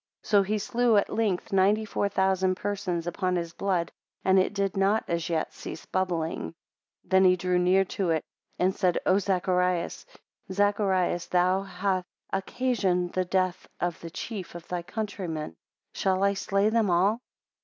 So he slew at length ninety four thousand persons upon his blood, and it did not as yet cease bubbling; then he drew near to it, and said, O Zacharias, Zacharias, thou halt occasioned the death of the chief of thy countrymen, shall I slay them all?